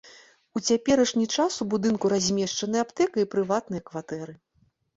У цяперашні час у будынку размешчаны аптэка і прыватныя кватэры.